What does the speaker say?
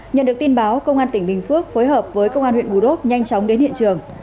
nhận được tin báo công an tỉnh bình phước phối hợp với công an huyện bù đốt nhanh chóng đến hiện trường